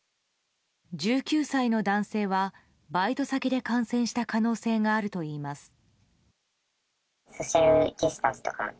１９歳の男性はバイト先で感染した可能性があるといいます。